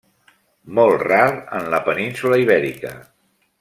Molt rar en la península Ibèrica.